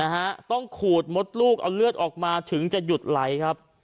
นะฮะต้องขูดมดลูกเอาเลือดออกมาถึงจะหยุดไหลครับ